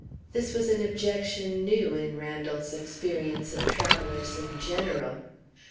This was an objection new in Randal's experience of travelers in general.